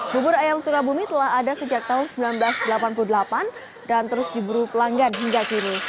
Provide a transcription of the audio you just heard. bubur ayam sukabumi telah ada sejak tahun seribu sembilan ratus delapan puluh delapan dan terus diburu pelanggan hingga kini